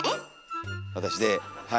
私ではい。